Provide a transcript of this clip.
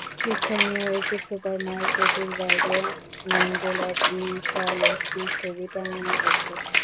স্থানীয় একটি সুপার মার্কেটের বাইরে ম্যান্ডেলার বিশাল একটি ছবি টাঙানো হয়েছে।